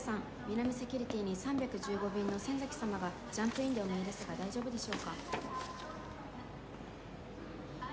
南セキュリティに３１５便の仙崎様がジャンプインでお見えですが大丈夫でしょうか？